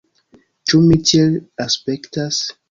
Ĉu mi tiel aspektas?